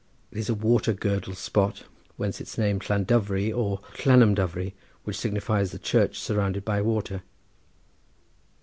It is a water girdled spot, whence its name Llandovery or Llanymdyfri, which signifies the church surrounded by water.